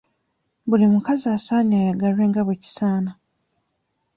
Buli mukazi asaanye ayagalwe nga bwe kisaana.